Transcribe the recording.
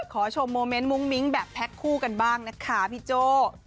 ขอชมโมเมนต์มุ้งมิ้งแบบแพ็คคู่กันบ้างนะคะพี่โจ้